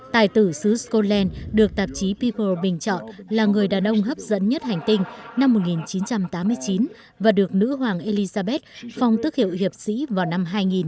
tài tử xứ scotland được tạp chí piple bình chọn là người đàn ông hấp dẫn nhất hành tinh năm một nghìn chín trăm tám mươi chín và được nữ hoàng elizabeth phong tức hiệu hiệp sĩ vào năm hai nghìn